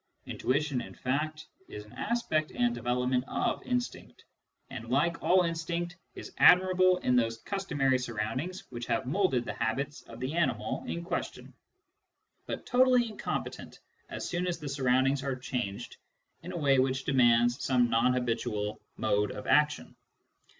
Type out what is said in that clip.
Intuition, in fact, is an aspect and development of instinct, and, like all instinct, is admirable in those customary surroundings which have moulded the habits of the animal in question, but totally incompetent as soon as the surroundings are changed in a way which demands some non habitual mode of action.